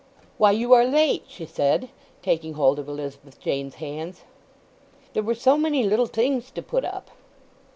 "Why, you are late," she said, taking hold of Elizabeth Jane's hands. "There were so many little things to put up."